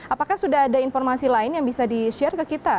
apakah sudah ada informasi lain yang bisa di share ke kita